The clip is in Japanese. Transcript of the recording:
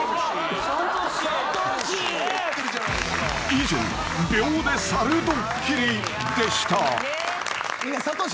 ［以上秒で猿ドッキリでした］